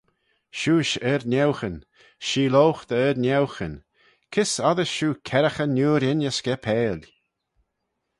Shiuish ard-nieughyn, sheeloghe dy ard-nieughyn, kys oddys shiu kerraghey niurin y scapail?